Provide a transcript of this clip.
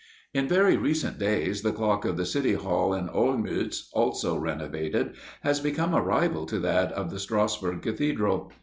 In very recent days, the clock of the City Hall in Olmütz, also renovated, has become a rival to that of the Strassburg Cathedral.